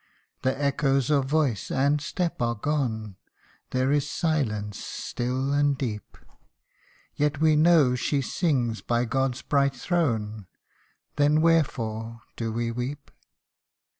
The echoes of voice and step are gone ; There is silence still and deep : Yet we know she sings by God's bright throne Then wherefore do we weep